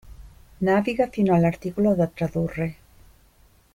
Naviga fino all'articolo da tradurre.